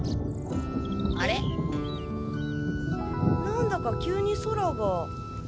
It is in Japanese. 何だか急に空が。